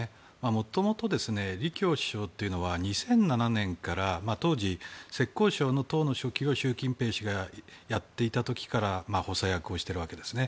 もともと、李強首相というのは２００７年から当時、浙江省の党の書記を習近平氏がやっている時から補佐役をしているわけですね。